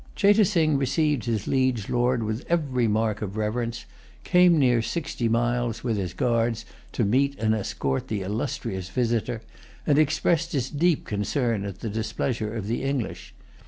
Cheyte Sing received his liege lord with every mark of reverence, came near sixty miles, with his guards, to meet and escort the illustrious visitor, and expressed his deep concern at the displeasure of the English.